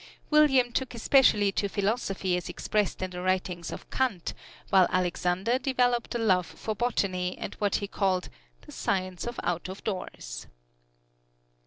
William took especially to philosophy as expressed in the writings of Kant, while Alexander developed a love for botany and what he called "the science of out of doors."